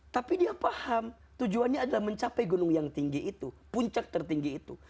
tapi dia paham tujuannya adalah mencapai gunung yang tinggi itu puncak tertinggi itu